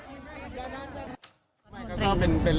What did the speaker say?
ก็มีการคาดการณ์เอาไว้แล้ว